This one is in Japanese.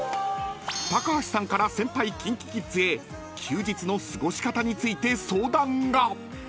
［橋さんから先輩ＫｉｎＫｉＫｉｄｓへ休日の過ごし方について相談が］